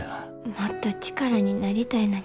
もっと力になりたいのに。